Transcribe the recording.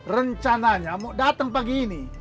rencananya mau datang pagi ini